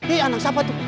ih anak siapa tuh